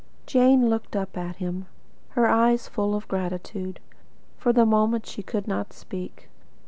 Jane looked at him, her eyes full of gratitude. For the moment she could not speak.